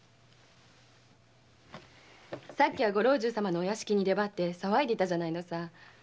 さっきは御老中様のお屋敷に出張って騒いでたじゃないのさ。